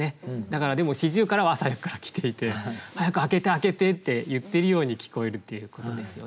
だからでも四十雀は朝早くから来ていて早く開けて開けてって言っているように聞こえるっていうことですよね。